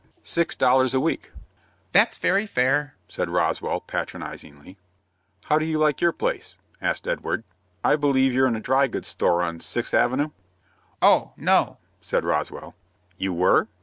"Six dollars a week." "That's very fair," said Roswell, patronizingly. "How do you like your place?" asked Edward. "I believe you're in a dry goods store on Sixth Avenue." "Oh, no," said Roswell. "You were?"